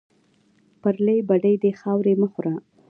پرلې بډۍ دې خاورې مه خوره